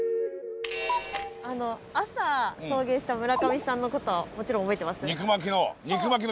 朝送迎した村上さんのこともちろん覚えてます？